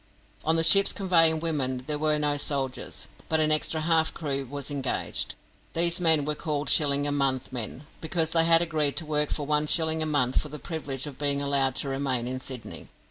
On the ships conveying women there were no soldiers, but an extra half crew was engaged. These men were called "Shilling a month" men, because they had agreed to work for one shilling a month for the privilege of being allowed to remain in Sydney.